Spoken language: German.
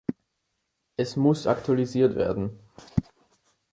Es muss aktualisiert werden.